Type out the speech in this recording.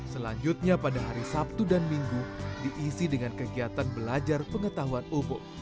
selanjutnya pada hari sabtu dan minggu diisi dengan kegiatan belajar pengetahuan umum